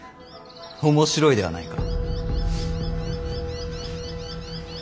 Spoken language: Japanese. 面白いではないか。